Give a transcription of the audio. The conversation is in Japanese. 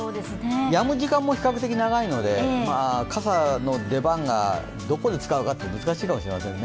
やむ時間も比較的長いので、まあ傘の出番がどこで使うか難しいかもしれないです。